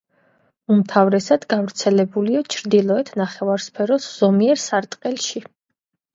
უმთავრესად გავრცელებულია ჩრდილოეთ ნახევარსფეროს ზომიერ სარტყელში.